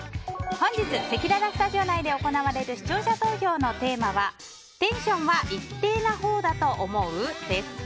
本日、せきららスタジオ内で行われる視聴者投票のテーマはテンションは一定な方だと思う？です。